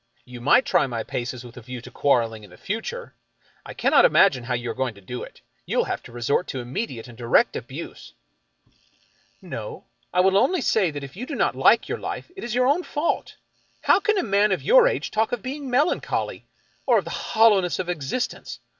You might try my paces with a view to quarreling in the future. I cannot imagine how you are going to do it. You will have to resort to immediate and direct abuse." " No. I will only say that if you do not like your life, it is your own fault. How can a man of your age talk of being melancholy, or of the hollowness of existence?